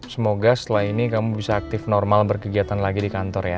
semoga setelah ini kamu bisa aktif normal berkegiatan lagi di kantor ya